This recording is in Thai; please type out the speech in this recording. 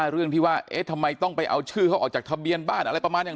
เรื่องที่ว่าเอ๊ะทำไมต้องไปเอาชื่อเขาออกจากทะเบียนบ้านอะไรประมาณอย่าง